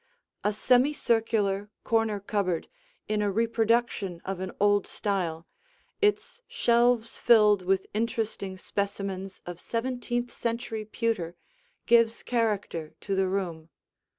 A semicircular corner cupboard in a reproduction of an old style, its shelves filled with interesting specimens of seventeenth century pewter, gives character to the room.